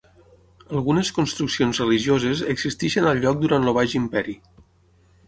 Algunes construccions religioses existien al lloc durant el Baix Imperi.